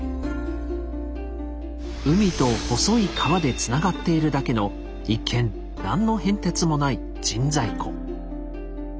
海と細い川でつながっているだけの一見何の変哲もない神西湖。